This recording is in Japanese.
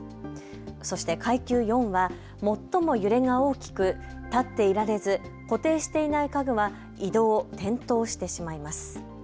そして階級４は最も揺れが大きく立っていられず固定していない家具は移動、転倒してしまいます。